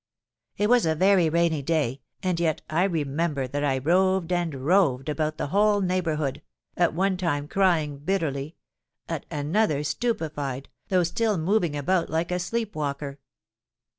It was a very rainy day, and yet I remember that I roved and roved about the whole neighbourhood, at one time crying bitterly—at another stupified, though still moving about like a sleep walker.